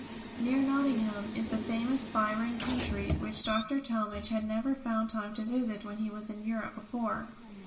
Near Nottingham is the famous Byron country which Dr. Talmage had never found time to visit when he was in Europe before.